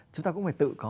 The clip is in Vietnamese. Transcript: chúng ta cũng phải tự có